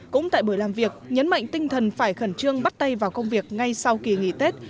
cũng tại buổi làm việc nhấn mạnh tinh thần phải khẩn trương bắt tay vào công việc ngay sau kỳ nghỉ tết